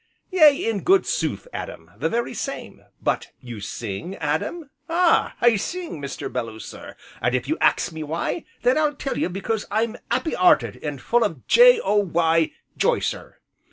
"Yea, in good sooth, Adam, the very same, but you sing, Adam?" "Ah! I sing, Mr. Belloo, sir, an' if you ax me why, then I tell you because I be 'appy 'earted an' full o' j o y, j'y, sir.